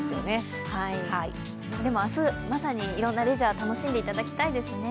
でも、明日まさにいろんなレジャー楽しんでもらいたいですね。